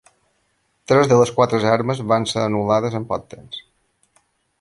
Tres de les quatre armes van ser anul·lades en poc temps.